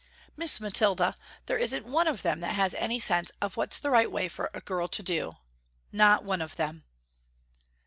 Miss Mathilda, there isn't one of them has any sense of what's the right way for a girl to do, not one of them."